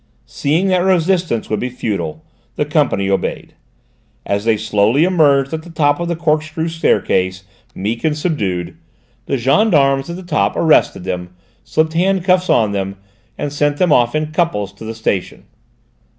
Seeing that resistance would be futile, the company obeyed. As they slowly emerged at the top of the corkscrew staircase, meek and subdued, the gendarmes at the top arrested them, slipped handcuffs on them, and sent them off in couples to the station.